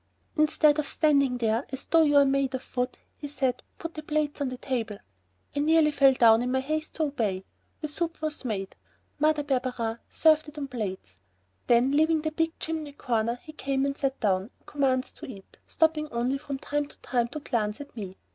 "Instead of standing there as though you're made of wood," he said, "put the plates on the table." I nearly fell down in my haste to obey. The soup was made. Mother Barberin served it on the plates. Then, leaving the big chimney corner, he came and sat down and commenced to eat, stopping only from time to time to glance at me.